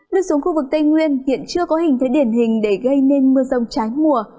lưu xuống khu vực tây nguyên hiện chưa có hình thế điển hình để gây nên mưa rông trái mùa